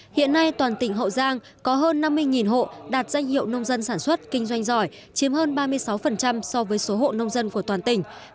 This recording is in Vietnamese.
hiện nay toàn tỉnh hậu giang có hơn năm mươi hộ đạt danh hiệu nông dân sản xuất kinh doanh giỏi chiếm hơn ba mươi sáu so với số hộ nông dân của toàn tỉnh